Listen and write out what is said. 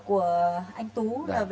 của anh tú